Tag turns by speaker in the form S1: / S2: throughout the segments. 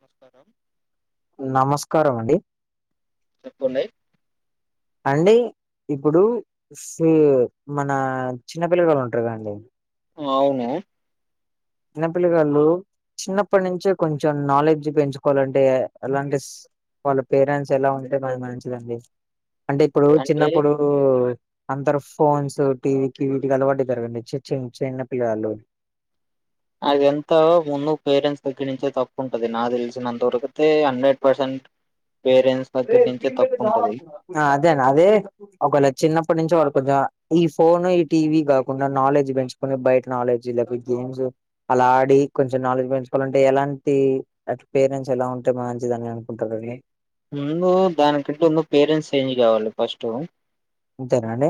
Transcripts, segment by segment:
S1: నమస్కారం
S2: నమస్కారం అండి
S1: చెప్పుల్లి
S2: అండి ఇప్పుడు స్ మన చిన్న పిల్లగాలు ఉంటారు కా అండి
S1: అవును
S2: చిన్నపిల్ల వాళ్ళు చిన్నప్పటి నుంచే కొంచెం నాలెడ్జ్ పెంచుకోవాలంటే అలాంటి స్ వాళ్ళ పేరెంట్స్ ఎలా ఉంటే మనకు మంచింది అంటే ఇప్పుడు
S1: అంటే
S2: చిన్నప్పుడు ఉ అందరు ఫోన్స్ టీవీకీ వీటికి అలవాటు జరగండి చిన్ చిన్న పిల్లగాళ్లు
S1: అది అంతా ముందు పేరెంట్స్ దగ్గర నుంచే తప్పు ఉంటది నా తెలిసినంత వరకైతే హండ్రెడ్ పర్సెంట్ పేరెంట్స్ దగ్గర నుంచే తప్పు ఉంటది
S2: ఆ అదేనా అదే ఒకవేళ చిన్నప్పటి నుంచి వాళ్ళ కొంచెం ఈ ఫోన్ ఈ టీవీ కాకుండా నాలెడ్జ్ బెంచ్ కొన్ని బయట నాలెడ్జ్ లేకపోతే గేమ్స్ అలా ఆడి కొంచెం నాలెడ్జ్ పెంచుకోవాలంటే ఎలాంటి అట్లా పేరెంట్స్ ఎలా ఉంటే మంచిది అని అనుకుంటారండి
S1: ముందు దానికంటే ముందు పేరెంట్స్ చేంజ్ కావాలి ఫస్ట్
S2: అంతేనా అండి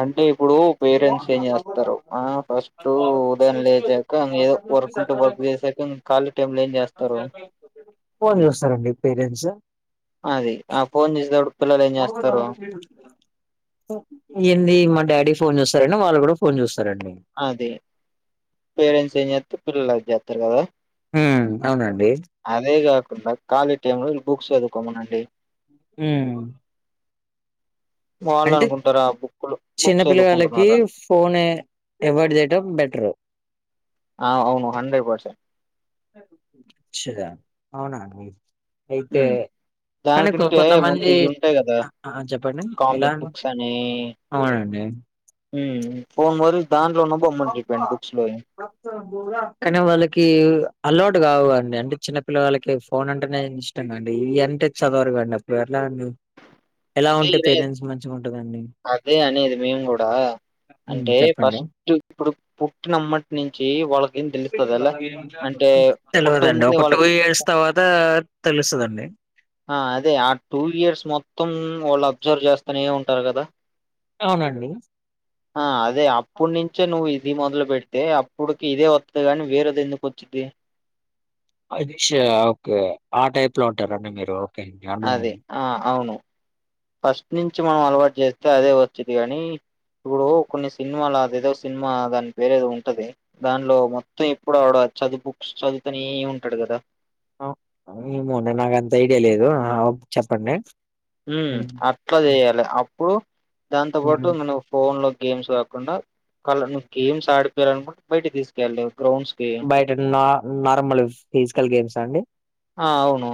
S1: అంటే ఇప్పుడు పేరెంట్స్ ఏం చేస్తారు ఆ ఫస్టు ఉదాయం లేచా కా ఏదో వర్క్ ఉంటే వర్క్ చేసాక ఖాళీ టైమ్ లో ఏం చేస్తారు
S2: ఫోన్ చూస్తారండి పేరెంట్స్
S1: అది ఆ ఫోన్ చుసేటప్పుడు పిల్లలు ఏం చేస్తారు
S2: ఏంది మా డాడీ ఫోన్ చుస్తారని వాళ్ళు కూడా ఫోన్ చూస్తారండి
S1: అదే పేరెంట్స్ ఏం చేస్తే పిల్లలది జెత్తారు కదా
S2: ఊమ్ అవునండి
S1: అదే కాకుండా ఖాళీ టైం లో బుక్స్ చదువుకోమనండి
S2: ఊమ్
S1: వాళ్ళు
S2: అంటే
S1: అనుకుంటారా బుక్లు బుక్స్
S2: చిన్నపిల్లగాళ్ళకి
S1: చదువుకుంటున్నారు అని
S2: ఫోన్ అవాయిడ్ చేయడం బెటరు
S1: ఆ అవును హండ్రెడ్ పర్సెంట్
S2: శుగ అవునా అండి అయితే కానీ
S1: దానికంటే ముందు
S2: కొంతమంది
S1: ఇవి ఉంటాయి కదా
S2: ఆ చెప్పండి ఎలా
S1: కామిక్
S2: అన్న అవునండి
S1: ఉ ఫోన్ బదులు దాంట్లో ఉన్న బొమ్మని గీపోండి బుక్స్ లో
S2: కానీ వాళ్ళకి అలవాటు కావు అండి అంటే చిన్నపిల్లగళ్ళకి ఫోన్ అంటేనే ఇష్ మండి ఇయ్యి అంటే చదవరుగాండి అప్పుడు ఎలా అం
S1: అదే ఇదే అదే అనేది మేము కూడా
S2: ఉమ్
S1: అంటే
S2: చెప్పండి
S1: ఫస్ట్ ఇప్పుడు పుట్టినమ్మటి నుంచి వాళ్ళక్ పుట్టక
S2: తెలియదండి
S1: ముందే
S2: ఒక టూ
S1: వాళ్ళకి
S2: ఇయర్స్ తర్వాత తెలుస్తదండి
S1: ఆ అదే ఆ టూ ఇయర్స్ మొత్తం వాళ్ళు అబ్జర్వ్ చేస్తానే ఏ ఉంటారు కదా
S2: అవునండి
S1: ఆ అదే అప్పుడు నుంచే నువ్వు ఇది మొదలు పెడ్ తే అప్పుడుకి ఇదే వస్తది గాని వేరేది ఎందుకు వచ్చిది
S2: అచ్చ ఓకే ఆ టైప్ లో ఉంటారండి మీరు ఓకే అండి
S1: అదే
S2: అర్థమైంది
S1: ఆ అవును ఫస్ట్ నుంచి మనం అలవాటు చేస్తే అదే వచ్చేది కాని ఇప్పుడు కొన్ని సినిమాలు అది ఏదో సినిమా దాని పేరేదో ఉంటది దానిలో మొత్తం ఎప్పుడు వాడు అది బుక్స్ చదువుతనే చదువుతనే ఉంటాడు కదా
S2: ఆ ఏమో నాక అంత ఐడియా ఆ ఒ ప్ చెప్పండి
S1: మ్
S2: హ్మ్.
S1: అట్లా
S2: హ్మ్.
S1: చెయాలి అప్పుడు దాంతో
S2: హ్మ్.
S1: పాటు మన ఫోన్ లో గేమ్స్ కాకుండా కళ్ళ నువ్వు గేమ్స్ ఆడిపోయాలనుకుంటే బయటికి తీసుకెళ్ళు గ్రౌండ్స్ కి
S2: బయట నా నార్మల్ ఫిజికల్ గేమ్స్ అ అండి
S1: ఆ అవును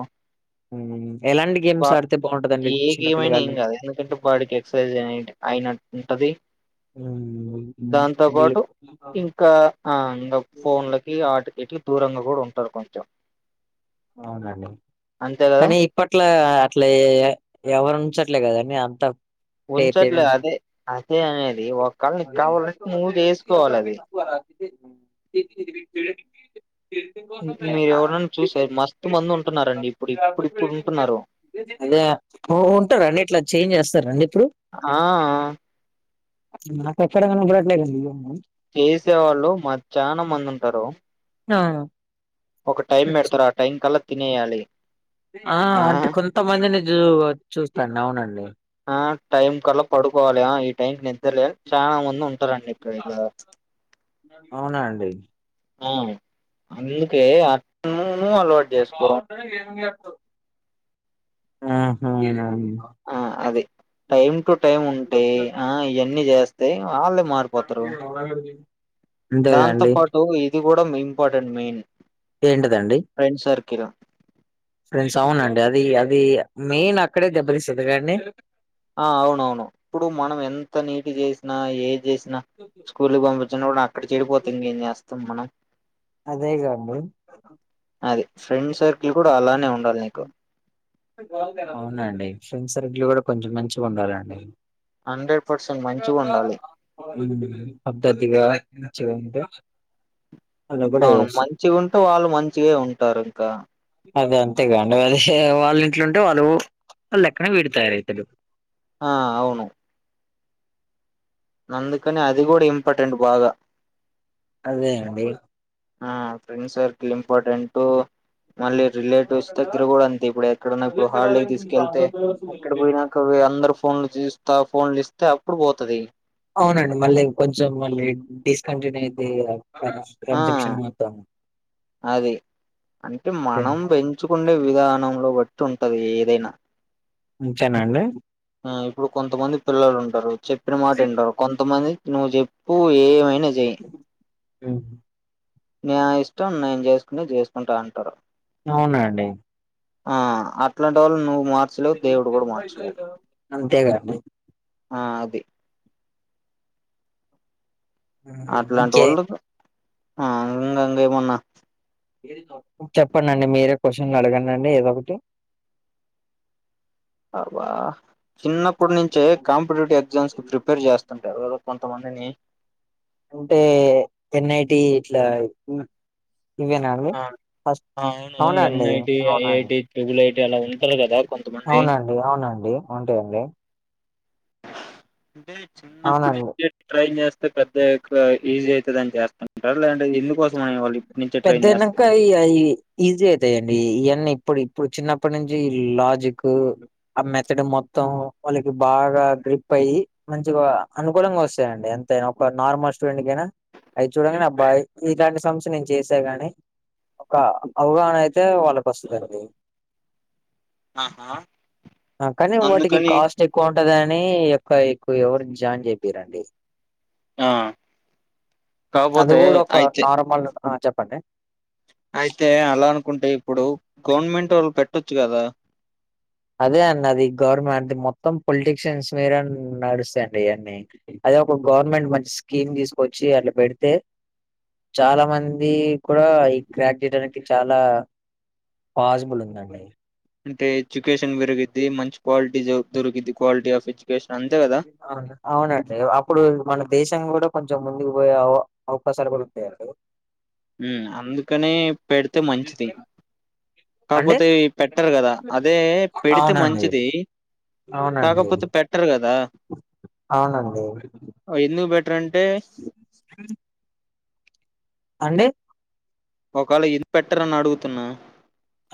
S2: మ్ ఎలాంటి గేమ్స్
S1: వా
S2: ఆడితే బాగుంటదండి
S1: ఏ గేమ్ అయినా ఏం
S2: చిన్నపిల్లగాళ్ళు
S1: కాదు ఎందుకంటే బాడీకి ఎక్సర్సైజ్ అయినట్టు ఉంటది
S2: హ్మ్. హ్మ్.
S1: దాంతో
S2: వీళ్ళు
S1: పాటు ఇంకా ఆ ఇంగ ఫోన్లకి ఆటికి ఇట్కి దూరంగా కూడా ఉంటారు కొంచెం
S2: అవునండి
S1: అంతే కదా
S2: కానీ ప్పట్లా అట్లా ఎవరూంచట్లే కదీ అండి అంత
S1: ఉంచట్లే అదే అదే అనేది ఒకళ్ళ నీకు కావాలంటే నువ్వు చేసుకోవాలి అది మీరు
S2: ఆహ్,
S1: ఎవరైనా చూస్తె మస్తు మంది ఉంటున్నారండి ఇప్పుడు ఇప్పుడు ఇప్పుడు ఉంటున్నారు
S2: అదే ఉంటారండి ఇట్లా చేంజ్ చేస్తారండి ఇప్పుడు
S1: ఆ అ
S2: నాకు ఎక్కడనా కనిపియ్యట్లేదండి ఇవన్ని
S1: చేసే వాళ్ళు మా చాలా మంది ఉంటారు
S2: ఆ
S1: ఒక టైం పెడుతారు ఆ టైం కల్లా తినేయాలి
S2: ఆ అంటే కొంతమందిని చూ చూస్తాను అవునండి
S1: ఆ టైం కల్లా పడుకోవాలి ఈ టైం కి నిద్రలే చాలా మంది ఉంటారండి ఇప్పుడు ఇలా
S2: అవునా అండి
S1: ఆ అందుకే అట్టనే అలువట్
S2: బాగుంటేనే ఏ అహ అవునా
S1: ఆ అది టైమ్ టు టైమ్ ఉంటే ఆ ఇవన్నీ చేస్తె వాళ్ళే మారిపోతారు
S2: అ
S1: దాంతో పాటు ఇది కూడా ఇంపార్టెంట్ మెయిన్
S2: ఏంటిదండి
S1: ఫ్రెండ్ సర్కిల్
S2: ఫ్రెండ్స్ అవునండి అది అది మెయిన్ అక్కడే దెబ్బతిస్తది కదండి
S1: ఆ అవునవును ఇప్పుడు మనం ఎంత నీతి చేసినా ఏది చేసినా స్కూల్కు పంపించిన కూడా అక్కడ చెడిపోతె ఏం చేస్తాం మనం
S2: అదే గ అండి
S1: అది ఫ్రెండ్ సర్కిల్ కూడా అలానే ఉండాలి నీకు
S2: అవునండి ఫ్రెండ్ సర్కిల్ కూడా కొంచెం మంచిగా ఉండాలండి
S1: హండ్రెడ్ పర్సెంట్ మంచిగా ఉండాలి
S2: ఉ పద్ధతిగా మంచిగా ఉంటే అలా కూడా
S1: అవును
S2: చేస్తారు
S1: మంచిగా ఉంటే వాళ్ళు మంచిగే ఉంటారు ఇంకా
S2: అదే అంతే ఇంగ అదే వాళ్ళ ఇంట్లోంటే వాళ్ళు వాళ్ళ లెక్కన విడు తయారు అయితాడు
S1: ఆ అవును అందుకని అది కూడా ఇంపార్టెంట్ బాగా
S2: అదే అండి
S1: ఆ ఫ్రెండ్ సర్కిల్ ఇంపార్టెంట్ మళ్ళీ రిలేటివ్స్ దగ్గర కూడా అంతే ఇప్పుడు ఎక్కడన్నా ఇప్పుడు హాలిడే తీసుకెళ్తే అక్కడ పోయినంక అందరు ఫోన్లు చూస్తా ఫోన్లు ఇస్తే అప్పుడు పోతది
S2: అవునండి మళ్ళీ ఇంకొంచెం మళ్ళీ డిస్కంటిన్యూ అయితది కదా
S1: ఆ అది అంటే మనం పె చు కుండే విధానంలో బట్టి ఉంటది ఏదైనా
S2: ఉంచనండి
S1: అ ఇప్పుడు కొంతమంది పిల్లలు ఉంటారు చెప్పిన మాట వింటారు కొంతమంది నువ్వు చెప్పు ఏమైనా చెయి
S2: హు
S1: నా ఇష్టం నేను చేసుకునేది చేసుకుంటా అంటాడు
S2: అవునండి
S1: ఆ అట్లాంటోల్లు నువ్వు మాత్రం
S2: అంతే గా అండి
S1: అ అది
S2: హ్మ్.
S1: అట్లాంటి
S2: ఇంకే
S1: వొళ్ళు ఆ ఇంగ ఇంగ ఏమన్నా
S2: చెప్పండిఅండి మీరే క్వశ్చన్లు అడగండి ఏదో ఒకటి
S1: అబ చిన్నప్పుటి నుంచే కాంపిటేటివ్ ఎగ్జామ్స్కి ప్రిపేర్ చేస్తుంటారు కొంతమందిని
S2: అంటే ఎన్ఐటి ఇట్లా ఇవేనండి
S1: ఆ
S2: ఫస్ట్ అవునండి అవునండి
S1: ట్యూబ్ లైట్ అలా ఉంటాటే కదా కొ
S2: అవునండి అవునండి ఉంటాయండి
S1: అంటే చిన్నప్పటి
S2: అవునండి
S1: నుంచే ట్రైన్ చేస్తే పెద్దయ్యాక ఈజీ అయితది చేస్తుంటారు లేదంటే ఎందుకోసమని వాళ్లు
S2: పెద్దయినంక ఈయ ఈ ఈజీ అయితాయిండి ఈయన్ని ఇప్పుడు ఇప్పుడు చిన్నప్పటి నుంచి లాజిక్ ఆ మెథడ్ మొత్తం వాళ్ళకి బాగా గ్రిప్ అయి మంచిగా అనుకూలంగా వస్తాయండి అంతేనా ఒక నార్మల్ స్టూడెంట్ కైనా అయి చూడంగానే అబ్బా ఈ ఇట్లాంటి సమ్స్ ని చేసా గాని ఒక అవగాహన అయితే వాళ్ళకు వస్తదండి
S1: ఆహా
S2: అ కానీ వాటికి
S1: అందుకని
S2: కాస్ట్ ఎక్కువ ఉంటదని యొక్క ఎక్కువ ఎవరు జాన్ చేపియ్యరండి
S1: ఆ
S2: అది
S1: కాకపోతే
S2: కూడా ఒక
S1: అయితే
S2: నార్మల్ ఆ చెప్పండి
S1: అయితే అలా అనుకుంటే ఇప్పుడు గవర్నమెంట్ ఒళ్ళు పెట్టొచ్చు కదా
S2: అదే అండి అది గవర్నమెంట్ మొత్తం పొలిటిషియన్స్ మీద నడుస్తాయండి ఇవన్నీ అదే ఒక గవర్నమెంట్ మంచి స్కీమ్ తీసుకొచ్చి అట్లా పెడితే చాలామంది కూడా ఈ క్రాక్ తీయటానికి చాలా పాజిబుల్ ఉందండి
S1: అంటే ఎడ్యుకేషన్ పెరిగిద్ది మంచి క్వాలిటీ దొరికిద్ది క్వాలిటీ ఆఫ్ ఎడ్యుకేషన్ అంతే కదా
S2: అవునా అవునండి అప్పుడు మన దేశం కూడా కొంచెం ముందుకు పోయే అవ అవకాశాలు కూడా ఉంటాయండి
S1: మ్ అందుకనే పెడితే మంచిది
S2: అండి
S1: కాపోతే పెట్టారు కదా అదే పెడితే
S2: అవునండి
S1: మంచిది
S2: అవునండి
S1: కాకపోతే పెట్టరు గదా!
S2: అవునండి
S1: ఎందుకు పెట్టారు అంటే
S2: [inaudible] అండి
S1: ఒకవేళ ఇది పెట్టరు అని అడుగుతున్నా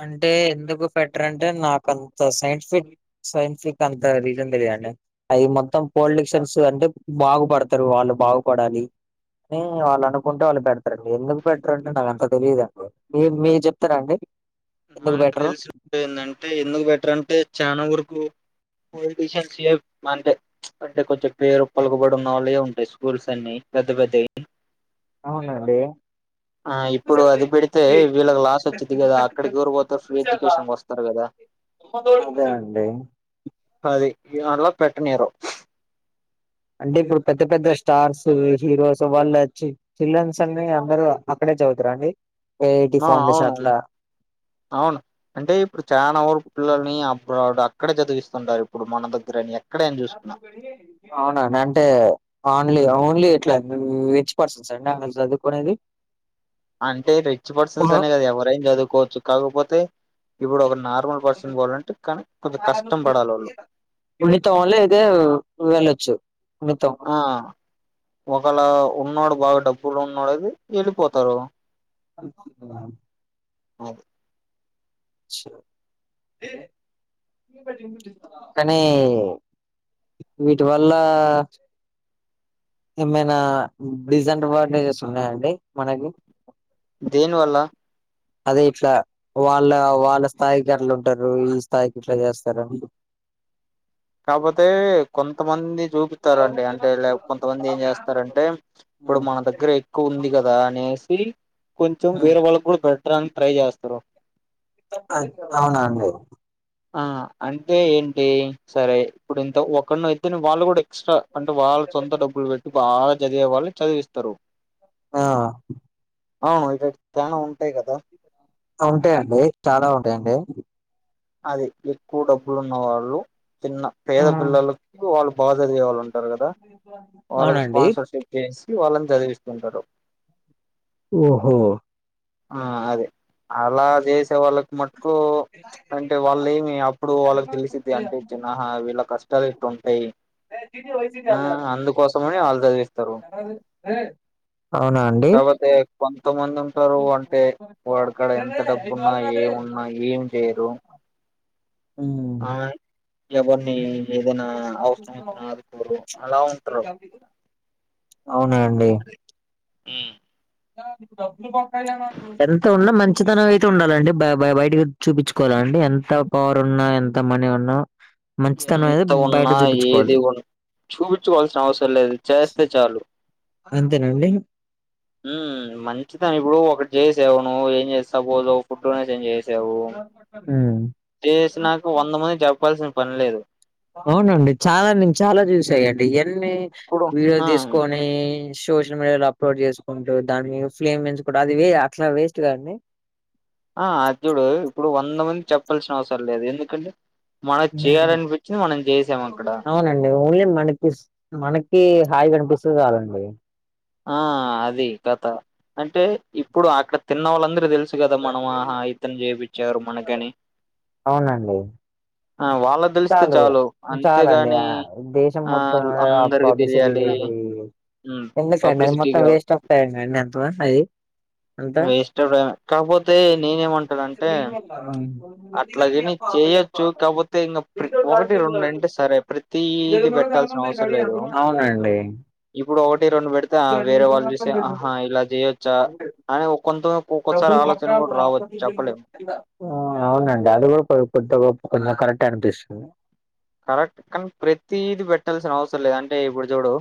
S2: అంటే ఎందుకు పెట్టారంటే నాకు అంత సైంటిఫిక్ సైంటిఫిక్ అంత రీజన్ తెలీదండి ఐ మొత్తం పొలిటీషియన్స్ అంటే బాగుపడతారు వాళ్లు బాగుపడాలి టె వాళ్ళు అనుకుంటే వాళ్ళు బెడతారండి ఎందుకు బెటర్ అంటే నాకు అంత తెలిదుండి మీ మీరు చెప్తారా అండి ఎందుకు
S1: నాకు
S2: పెట్టరు
S1: తెలిసినందంటే ఎందుకు బెటర్ అంటే చానా వరకు పోలిటిషయన్స్ సీఎం అంతే అంటే కొంచెం పేరు పలుకబడి ఉన్న వాళ్ళే ఉంటాయి స్కూల్స్ అన్ని పెద్ద పెద్దవి
S2: అవునండి
S1: ఆ ఇప్పుడు అది పెడితే వీళ్ళకి లాస్ వచ్చిది కదా అక్కడికి ఎవరు పోతరూ ఫ్రీ ఎడ్యుకేషన్ కోసం తర్గదా
S2: అదే అండి
S1: అది ఇగలా పెట్టనీయరు
S2: అంటే ఇప్పుడు పెద్ద పెద్ద స్టార్స్ హీరోస్ వాళ్ళు వచ్చి చిల్డ్రన్స్ అన్ని అందరు అక్కడే చదువుతారా అండి ఐఐటి
S1: ఆ
S2: ఫౌండేషన్
S1: అవును
S2: అట్లా
S1: అవును అంటే ఇప్పుడు చానా వరకు పిల్లలని అబ్రాడ్ అక్కడే చదివిస్తుంటారు ఇప్పుడు మన దగ్గరని ఎక్కడే అని చూసుకున్నా
S2: అవునండి అంటే ఓన్లీ ఓన్లీ ఇట్లా రిచ్ పర్సన్స్ అండి అక్కడ చదువుకునేది
S1: అంటే రిచ్ పర్సన్స్ అనే కదా ఎవరైనా చదువుకోవచ్చు కాకపోతే ఇప్పుడు ఒక నార్మల్ పర్సన్ పోవాలంటే కానీ కొంచం కష్టం పడాలి వాళ్ళు
S2: ఉనిత ఓన్లీ అయితే వెళ్ళొచ్చు మితం
S1: ఆ ఒకలా ఉన్నోడు బాగా డబ్బులు ఉన్నోడు అయితే వెళ్ళిపోతారు
S2: [unintelligible]
S1: ఆ
S2: హ్ కానీ వీటి వల్ల ఏమైనా డిస్ఆడ్వాంటేజెస్ ఉన్నాయండి మనకి
S1: దేని వల్ల
S2: అదే ఇట్లా వాళ్ళ వాళ్ళ స్థాయికి అట్లా ఉంటారు ఈ స్థాయికి ఇట్లా చేస్తారు [inaudible]
S1: కాపోతే కొంతమంది చూపితారుండి అంటే లే కొంతమంది ఏం చేస్తారంటే ఇప్పుడు
S2: ఉమ్,
S1: మన దగ్గర ఎక్కువ ఉంది కదా అనేసి కొంచెం
S2: ఉమ్.
S1: వేరే వాళ్ళకి కూడా పెట్టడానికి అని ట్రై చేస్తారు
S2: అవునా అండి
S1: ఆ అంటే ఏంటి సరే ఇప్పుడు ఇంత ఒకనో ఇద్దని వాళ్ళు కూడా ఎక్స్ట్రా అంటే వాళ్ళు సొంత డబ్బులు పెట్టి బాగా చదివే వాళ్ళును చదివిస్తారు
S2: ఆ
S1: ఆ ఇగ అయి చానా ఉంటాయి కదా
S2: ఉంటాయండి చాలా ఉంటాయండి
S1: అది ఎక్కువ డబ్బులు ఉన్నవాళ్ళు చిన్న పేద పిల్లలు కు వాళ్ళు బా చదివేవాళ్ళు ఉంటారు కదా వాళ్ళకి
S2: అవునండి
S1: స్పాన్సర్షిప్ చేసి వాళ్ళని చదివిస్తుంటారు
S2: ఓహో
S1: ఆ అదే అలా చేసే వాళ్ళకు మట్టుకు అంటే వాళ్ళు ఏమి అప్పుడు వాళ్ళకి తెలిసింది అంటే చిన్న అహా వీళ్ళ కష్టాలు ఇట్ట ఉంటాయి ఆ అందుకోసమని వాళ్ళు చదివిస్తారు
S2: అవునా అండి
S1: కాకపోతే కొంతమంది ఉంటారు అంటే వాడికడ ఎంత డబ్బున్నా ఏమున్నా ఏమి చేయరు
S2: ఉమ్.
S1: ఆ ఎవరిని ఏదైనా అవసరం వచ్చిన ఆదుకోరు అలా ఉంటారు
S2: అవునా అండి
S1: మ్
S2: ఇప్పు డబ్బులు పక్కంట ఎంత ఉన్నా మంచితనం అయితే ఉండాలండి బ బయటకి చూపించుకోవాలండి ఎంత పవరున్నా ఎంత మనీ ఉన్నా మంచితనం అయితే
S1: ఎంత
S2: బయట
S1: ఉన్నా ఏది
S2: చూపించుకోవాలి
S1: ఉన్ చూపించుకోవాల్సిన అవసరం లేదు చేస్తే చాలు
S2: అంతేనండి
S1: మ్ మంచిదాని ఇప్పుడు ఒకటి చేసవ్ నువ్ ఏం చేస్ సపోజు ఒక ఫుడ్ డొనేషన్ చేసావు
S2: ఉమ్
S1: చేసినక వంద మందికి చెప్పాల్సిన పని లేదు
S2: అవునండి చాలా నేను చాలా చూసాయండి ఎన్ని
S1: ఇప్పుడు
S2: వీడియోలు
S1: ఆ
S2: తీసుకొని ఈ సోషల్ మీడియాలో అప్లోడ్ చేసుకుంటూ దాన్ని ఫ్లేమ్ పెంచుకుంట అది అట్లా వేస్ట్ కాదండి
S1: అది చూడు ఇప్పుడు వంద మందికి చెప్పాల్సిన అవసరం లేదు ఎందుకంటే మనకి చేయాలనిపించింది మనం చేసం అక్కడ
S2: అవునండి ఓన్లీ మనకి మనకి హాయిగా అనిపిస్తే చలండి
S1: ఆ అది కథ అంటే ఇప్పుడు అక్కడ తిన్నవాళ్ళందరికి తెలుసు కదా మనం ఆహా ఇతను చేపిచ్చడు మనకని
S2: అవునండి
S1: ఆ వాళ్ళక్ తెలిస్తే చాలు
S2: చాలండి
S1: అంతేగాని
S2: ఆ దేశం
S1: ఆ
S2: మొత్తం ఆ
S1: అందరికి
S2: పబ్లిసిటీ
S1: తెలియాలి
S2: చేసి
S1: మ్
S2: ఎందుకండి అది మొత్తం వేస్ట్ ఆఫ్ టైమ్ క అండి ఎంత అది అంతా
S1: వేస్ట్ ఆఫ్ టైము కాపోతే నేనేమంటానంటే అట్లచేయనిక్
S2: హదప్ప [unintelligible]
S1: తే ఇంగ ఒకటి రెండు అంటే సరే ప్రతిది పెట్టాల్సిన అవసరం లేదు
S2: అవునండి
S1: ఇప్పుడు ఒకటి రెండు పెడితే వేరే వాళ్ళు చూసి ఆహా ఇలా చేయొచ్చా అని కొంత ఒకోసారి ఆలోచన కూడా రావచ్చు చెప్పలేము
S2: ఆ అవునండి అది కూడా కొ కొద్ద గొప్పో కొ కరెక్టే అనిపిస్తుంది
S1: కరెక్ట్ కానీ ప్రతిది పెట్టాల్సిన అవసరం లేదు అంటే ఇప్పుడు చూడు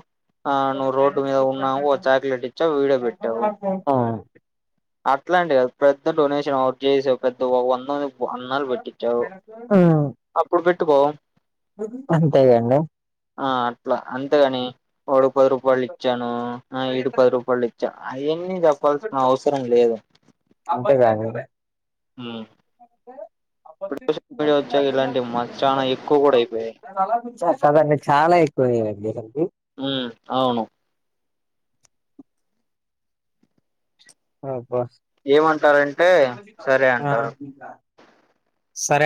S1: ఆ నువ్వు రోడ్డు మీద ఉన్నా ఓ చాక్లెట్ ఇచ్చావ్ వీడియో పెట్టావు
S2: ఆ.
S1: అట్లంటివి కదు పెద్ద డొనేషన్ అ చేసే పెద్ద వంద వా అన్నాలు పెటిచ్చావు అప్పుడు పెట్టుకో
S2: అంతేగా అండి
S1: ఆ అట్లా అంతే గానీ ఒకడు పది రూపాయలు ఇచ్చాను ఆ ఇడు పది రూపాయలు చా అయన్నీ చెప్పాల్సిన అవసరం లేదు
S2: అంతే గానీ లే
S1: ఊ వచ్చాక ఇలాంటివి మ చానా ఎక్కువ కూడా అయిపోయాయి
S2: [unintelligible] కాదండీ చాలా ఎక్కువ [unintelligible]
S1: ఊ అవును
S2: అబ్బా
S1: ఏమంటారంటే సరే అంటారు
S2: సరే